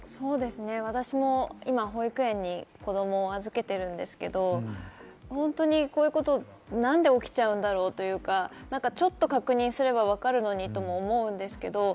私も今、保育園に子供を預けているんですけれど、こういうこと何で起きちゃうんだろうというか、ちょっと確認すればわかるのにとも思うんですけど。